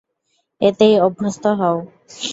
এতেই অভ্যস্ত হও।